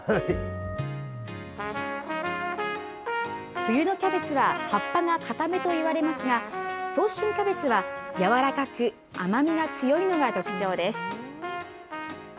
冬のキャベツは葉っぱが硬めといわれますが、早春キャベツは軟らかく、甘みが強いのが特徴です。